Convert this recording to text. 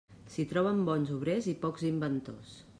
S'hi troben bons obrers i pocs inventors.